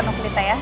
pernah kulitnya ya